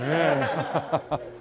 ハハハハ。